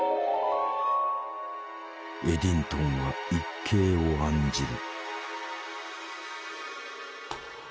エディントンは一計を案じる。